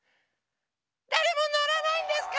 だれものらないんですか？